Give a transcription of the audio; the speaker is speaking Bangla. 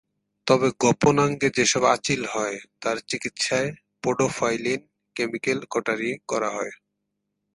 তবে গোপনাঙ্গে যেসব আঁচিল হয়, তার চিকিৎসায় পোডোফাইলিন কেমিক্যাল কটারি করা হয়।